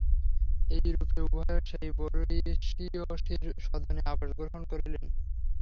এই রূপে উভয়ে সেই বর্ষীয়সীর সদনে আবাসগ্রহণ করিলেন।